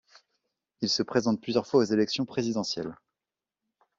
Il se présente plusieurs fois aux élections présidentielles.